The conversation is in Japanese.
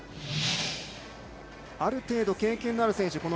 ある程度、経験のある選手。